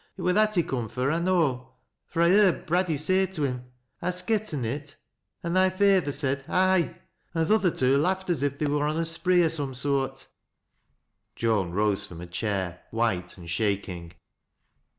It wur that he coom fur, I know, Ixa I heerd Braddy say to him, ' Hast getten it ?' an' tlij feyther said, ' Ay,' an' th' other two laughed as if they wui on a spree o' some soart." Joan rose from her chair, white and shaking.